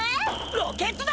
ロケット団！